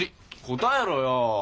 答えろよ。